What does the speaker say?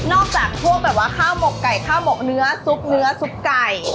จากพวกแบบว่าข้าวหมกไก่ข้าวหมกเนื้อซุปเนื้อซุปไก่